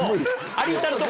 有田のとこ